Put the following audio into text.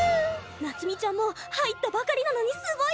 夏美ちゃんも入ったばかりなのにすごいよね！